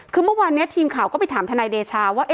คือเมื่อวานนี้ทีมข่าวก็ไปถามทนายเดชาว่า